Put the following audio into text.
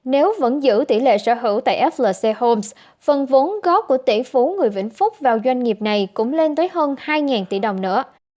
nếu vẫn giữ tỷ lệ sở hữu tại flc homes phần vốn góp của tỷ phú người vĩnh phúc vào doanh nghiệp này cũng lên tới hơn hai tỷ đồng nữa